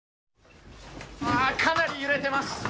かなり揺れてます。